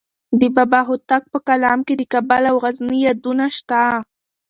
د بابا هوتک په کلام کې د کابل او غزني یادونه شته.